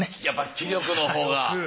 やっぱり気力のほうが。